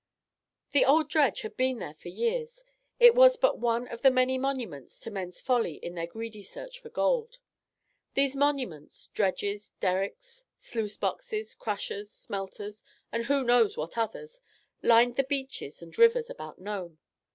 The old dredge had been there for years. It was but one of the many monuments to men's folly in their greedy search for gold. These monuments—dredges, derricks, sluice boxes, crushers, smelters, and who knows what others—lined the beaches and rivers about Nome.